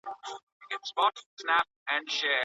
ولي لېواله انسان د لایق کس په پرتله ژر بریالی کېږي؟